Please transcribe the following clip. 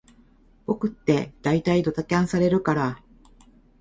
僕ってだいたいドタキャンされるから